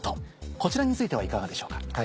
こちらについてはいがかでしょうか？